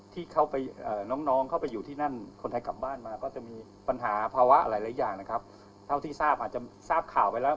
เท่าที่ทราบอาจจะทราบข่าวไปแล้ว